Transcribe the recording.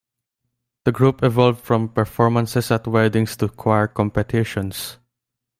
The group evolved from performances at weddings to choir competitions.